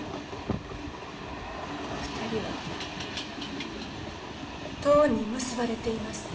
２人はとうに結ばれています。